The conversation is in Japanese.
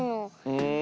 うん。